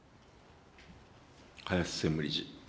林専務理事。